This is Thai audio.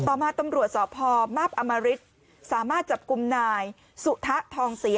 มาตำรวจสพมาพอมริตสามารถจับกลุ่มนายสุธะทองศรี